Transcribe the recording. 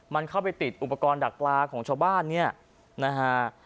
มันเข้าไปติดอุปกรณ์ดักปลาของชาวบ้านเนี่ยนะฮะ